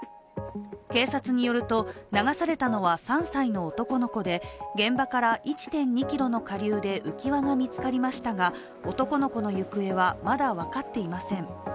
警察によると、流されたのは３歳の男の子で現場から１．２ｋｍの下流で浮き輪が見つかりましたが男の子の行方はまだ分かっていません。